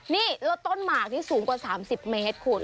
นี่แล้วต้นหมากนี่สูงกว่า๓๐เมตรคุณ